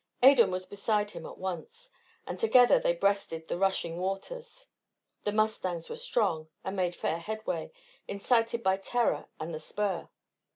Adan was beside him at once, and together they breasted the rushing waters. The mustangs were strong and made fair headway, incited by terror and the spur.